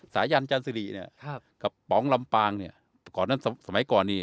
สายันจันสิริเนี่ยกับป๋องลำปางเนี่ยก่อนนั้นสมัยก่อนเนี่ย